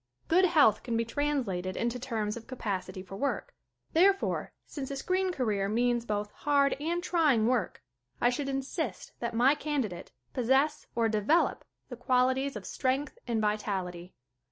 Good health can be translated into terms of capacity for work. Therefore since a screen career means both hard and trying work I should insist that my candidate possess or develop the qualities of strength and vitality.